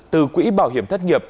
từ quỹ bảo hiểm thất nghiệp